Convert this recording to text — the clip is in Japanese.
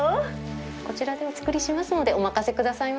こちらでお作りしますのでお任せくださいませ。